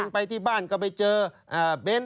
ไปที่บ้านก็ไปเจอเบ้น